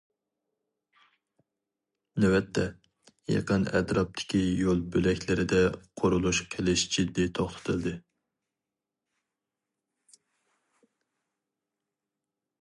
نۆۋەتتە، يېقىن ئەتراپتىكى يول بۆلەكلىرىدە قۇرۇلۇش قىلىش جىددىي توختىتىلدى.